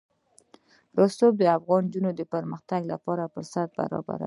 رسوب د افغان نجونو د پرمختګ لپاره فرصتونه برابروي.